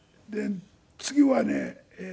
次はね